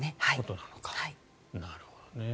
なるほどね。